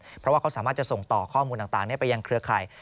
เพราะว่าเขาสามารถจะส่งต่อข้อมูลต่างไปยังเครือข่าย